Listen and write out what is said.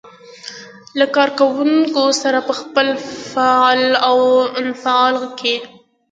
له کار کوونکو سره په خپل فعل او انفعال کې.